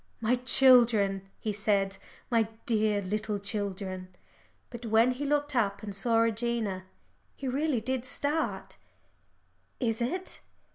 "My children," he said, "my dear little children." But when he looked up and saw Regina, he really did start. "Is it